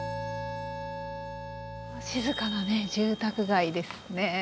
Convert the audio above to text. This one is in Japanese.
静かなね住宅街ですね。